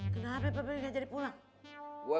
kenapa mbak beli gak jadi pulang